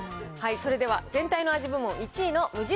それでは全体の味部門１位の無印